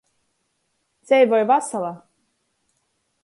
Dzeivoj vasala!